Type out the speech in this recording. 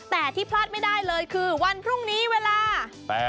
แต่ที่พลาดไม่ได้เลยคือวันพรุ่งนี้เวลา